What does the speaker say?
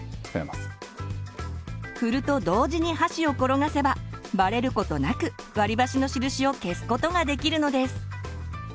振ると同時に箸を転がせばバレることなく割り箸の印を消すことができるのです。